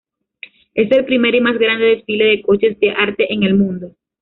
Es el primer y más grande desfile de coches de arte en el mundo.